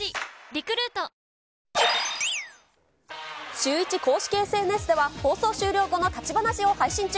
シューイチ公式ＳＮＳでは、放送終了後の立ち話を配信中。